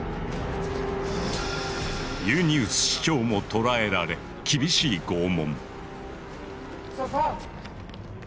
ユニウス市長も捕らえられ厳しい拷問。